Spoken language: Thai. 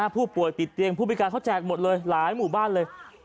ผู้ป่วยติดเตียงผู้พิการเขาแจกหมดเลยหลายหมู่บ้านเลย